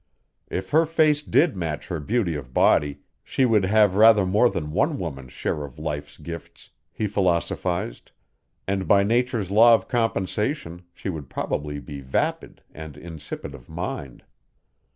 If her face did match her beauty of body she would have rather more than one woman's share of Life's gifts, he philosophized, and by Nature's law of compensation she would probably be vapid and insipid of mind.